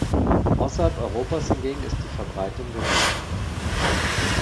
Außerhalb Europas hingegen ist die Verbreitung gering.